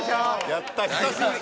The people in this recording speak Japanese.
やった。